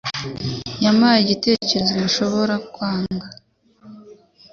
Yampaye igitekerezo ntashobora kwanga.